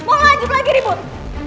mau lanjut lagi ribut